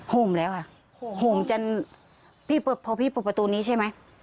ห่มแล้วค่ะห่มจนพี่พอพี่เปิดประตูนี้ใช่ไหม